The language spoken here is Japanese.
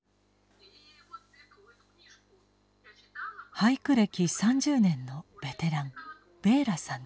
俳句歴３０年のベテランベーラさんです。